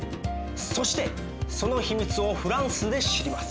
そしてその秘密をフランスで知ります。